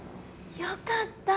よかった！